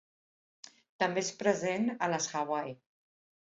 També és present a les Hawaii.